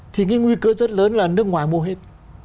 thì cái nguy cơ rất lớn là nước ngoài mua hết